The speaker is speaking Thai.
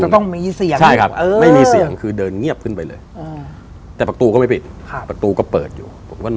ต้องมีเสียงใช่ครับไม่มีเสียงคือเดินเงียบขึ้นไปเลยแต่ประตูก็ไม่ปิดประตูก็เปิดอยู่ผมก็นอน